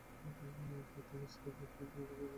তো তুমি স্রেফ ওকে মৃত্যুর মুখে ছেড়ে চলে এসেছিলে।